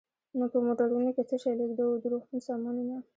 نو په موټرونو کې څه شی لېږدوو؟ د روغتون سامانونه.